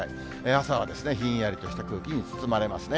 朝はひんやりとした空気に包まれますね。